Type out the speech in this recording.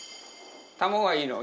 卵はいいの？